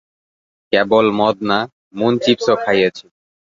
কেবল মদ না, মুনচিপসও খাইয়েছি।